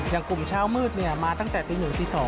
อย่างกลุ่มเช้ามืดเนี่ยมาตั้งแต่ตี๑ตี๒